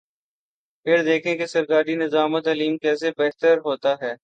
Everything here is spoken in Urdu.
پھر دیکھیں کہ سرکاری نظام تعلیم کیسے بہتر ہوتا ہے۔